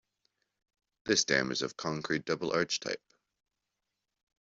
This dam is of concrete double arch type.